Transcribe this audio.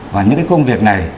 và những cái công việc này